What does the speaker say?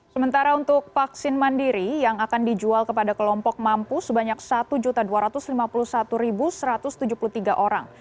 sementara untuk vaksin mandiri yang akan dijual kepada kelompok mampu sebanyak satu dua ratus lima puluh satu satu ratus tujuh puluh tiga orang